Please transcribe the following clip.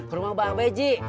ke rumah mbak abang ji